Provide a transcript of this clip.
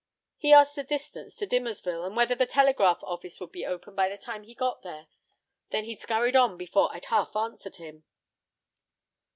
He asked the distance to Dimmersville, and whether the telegraph office would be open by the time he got there. Then he skurried on before I'd half answered him."